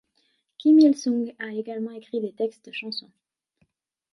Kim Il-sung a également écrit des textes de chansons.